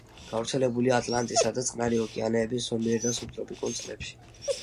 გავრცელებულია ატლანტისა და წყნარი ოკეანეების ზომიერ და სუბტროპიკულ წყლებში.